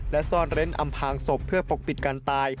และซ่อนเร้นอำพางศพเพื่อปกปิดการตาย